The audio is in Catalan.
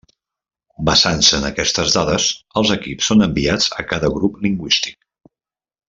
Basant-se en aquestes dades, els equips són enviats a cada grup lingüístic.